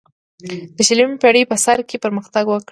د شلمې پیړۍ په سر کې پرمختګ وکړ.